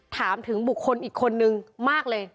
ถามถึงบุคคลอีกคนนึงมากเลย